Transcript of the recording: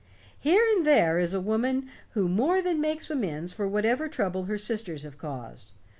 Here and there is a woman who more than makes amends for whatever trouble her sisters have caused.